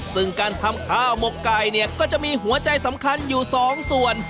ซึ่งการทำข้าวหมกไก่เนี่ยก็จะมีหัวใจสำคัญอยู่สองส่วน